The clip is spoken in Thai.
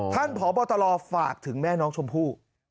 ท่านพบฝากถึงแม่น้องชมพู่